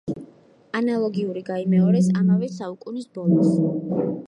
ანალოგიური გაიმეორეს ამავე საუკუნის ბოლოს.